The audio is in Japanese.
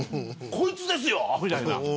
こいつですよみたいな。